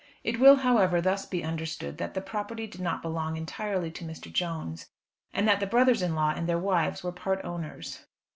It will, however, thus be understood that the property did not belong entirely to Mr. Jones, and that the brothers in law and their wives were part owners.